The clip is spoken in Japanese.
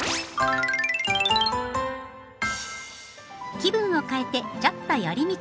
気分を変えて「ちょっとより道」。